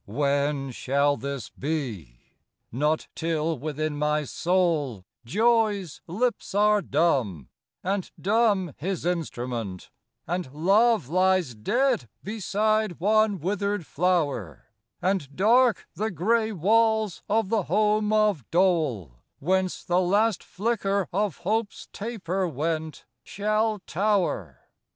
II When shall this be? Not till within my soul Joy's lips are dumb, and dumb his instrument, And love lies dead beside one withered flower, And dark the gray walls of the home of dole, Whence the last flicker of hope's taper went, Shall tower.